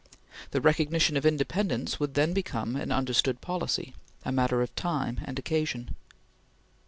The recognition of independence would then become an understood policy; a matter of time and occasion.